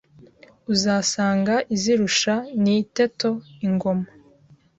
Usanga izirusha ni iteto ingoma